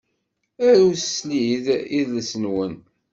Arut slid idles-nwen